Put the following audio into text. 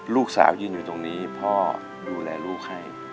ลูกสาวยืนอยู่ตรงนี้พ่อดูแลลูกให้